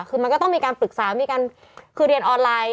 คือมันก็ต้องมีการปรึกษามีการคือเรียนออนไลน์